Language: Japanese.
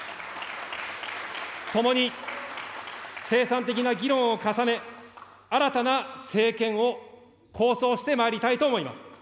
共に生産的な議論を重ね、新たな政権を構想してまいりたいと思います。